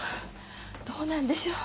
どうなんでしょう。